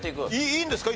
いいんですか？